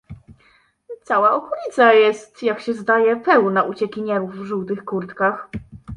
"Cała okolica, jest jak się zdaje, pełna uciekinierów w żółtych kurtkach."